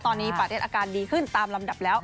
ตอนนี้ปาเต็ดอาการดีขึ้นตามลำดับแล้ว